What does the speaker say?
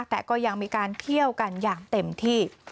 แต่ก็ยังมีการเที่ยวกันอย่างเต็มที่